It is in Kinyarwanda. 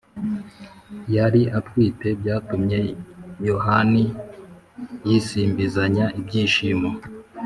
yari atwite, byatumye “yohani yisimbizanya ibyishimo